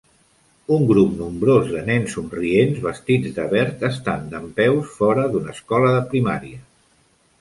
Un grup nombrós de nens somrients vestits de verd estan dempeus fora d'una escola de primària.